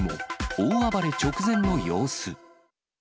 大暴れ直前の様子。